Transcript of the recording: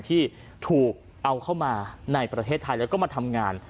ที่ถูกเอาเข้ามาในประเทศไทยแล้วก็มาทำงาน